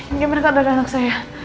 ini gimana kalau ada anak saya